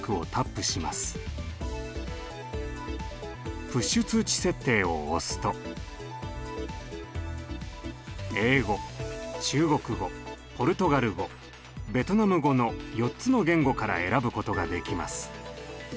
プッシュ通知設定を押すと英語中国語ポルトガル語ベトナム語の４つの言語から選ぶことができます。